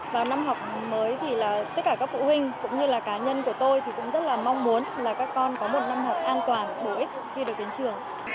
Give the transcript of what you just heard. vào năm học mới thì tất cả các phụ huynh cũng như là cá nhân của tôi thì cũng rất là mong muốn là các con có một năm học an toàn bổ ích khi được đến trường